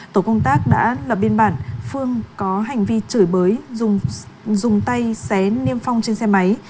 tổ công tác đã lập biên bản phương có hành vi chửi bới dùng tay xé niêm phong trên xe máy